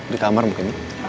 di kamar mungkin